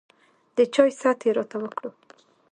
د چاے ست يې راته وکړو